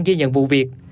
duy nhiệm vụ việc